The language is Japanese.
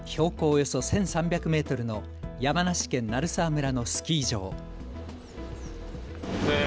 およそ１３００メートルの山梨県鳴沢村のスキー場。